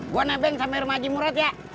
gue nebeng sampe rumah haji murad ya